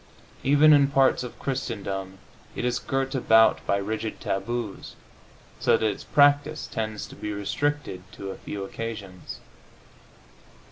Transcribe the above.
Even in parts of Christendom it is girt about by rigid taboos, so that its practise tends to be restricted to a few occasions.